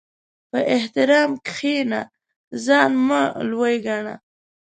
په احترام کښېنه، ځان مه لوی ګڼه.